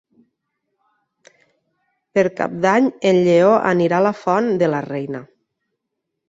Per Cap d'Any en Lleó anirà a la Font de la Reina.